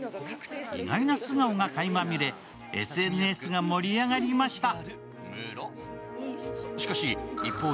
意外な素顔がかいま見え、ＳＮＳが盛り上がりました。